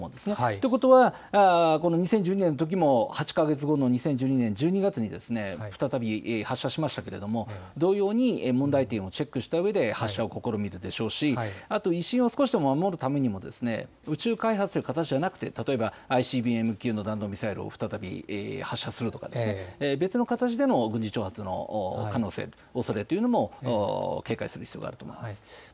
ということは２０１２年のときも８か月後の２０１２年１２月に再び発射しましたが、同様に問題点をチェックしたうえで発射を試みるでしょうし、あと威信を少しでも守るために宇宙開発の形ではなく例えばＩＣＢＭ級の弾道ミサイルを再び発射するとか別な形での軍事挑発の可能性、おそれというのも警戒する必要があると思います。